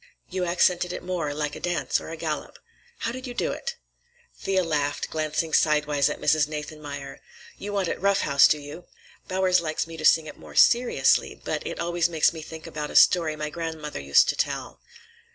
You accented it more, like a dance or a galop. How did you do it?" Thea laughed, glancing sidewise at Mrs. Nathanmeyer. "You want it rough house, do you? Bowers likes me to sing it more seriously, but it always makes me think about a story my grandmother used to tell."